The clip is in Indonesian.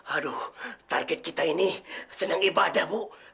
aduh target kita ini senang ibadah bu